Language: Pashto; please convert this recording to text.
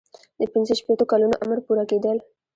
د پنځه شپیتو کلونو عمر پوره کیدل.